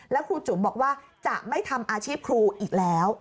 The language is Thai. แล้วครูจุ๋มบอกว่าจะไม่ทำอาชีพครูอีกแล้ว